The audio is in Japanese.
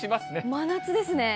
真夏ですね。